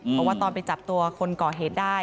เพราะว่าตอนไปจับตัวคนก่อเหตุได้